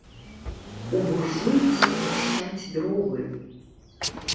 У буржуйцы трашчаць дровы.